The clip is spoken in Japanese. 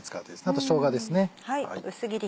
あとしょうがですね。